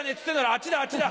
あっちだあっちだ！